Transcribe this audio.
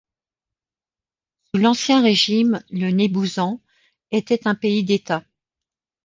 Sous l'Ancien Régime, le Nébouzan était un pays d'états.